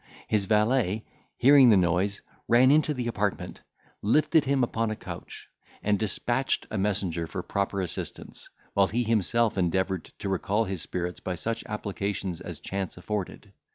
His valet, hearing the noise, ran into the apartment, lifted him upon a couch, and despatched a messenger for proper assistance, while he himself endeavoured to recall his spirits by such applications as chance afforded.